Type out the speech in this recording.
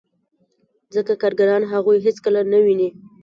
ځکه کارګران هغوی هېڅکله نه ویني